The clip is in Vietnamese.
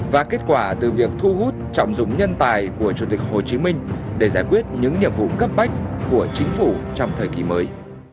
và kết quả từ việc thu hút trọng dụng nhân tài của chủ tịch hồ chí minh để giải quyết những nhiệm vụ cấp bách của chính phủ trong thời kỳ mới